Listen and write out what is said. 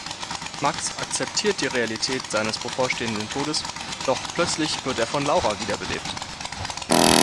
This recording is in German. Max akzeptiert die Realität seines bevorstehenden Todes, doch plötzlich wird er von Laura wiederbelebt.